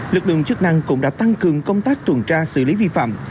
lực lượng chức năng cũng đã tăng cường công tác tuần tra xử lý vi phạm